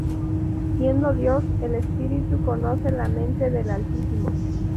Siendo Dios, el Espíritu conoce la mente del Altísimo.